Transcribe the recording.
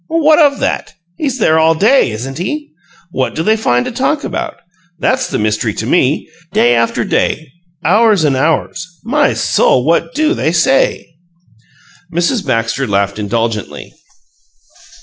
"What of that? He's there all day, isn't he? What do they find to talk about? That's the mystery to me! Day after day; hours and hours My soul! What do they SAY?" Mrs. Baxter laughed indulgently.